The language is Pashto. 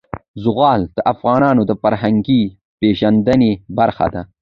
زغال د افغانانو د فرهنګي پیژندنې برخه ده.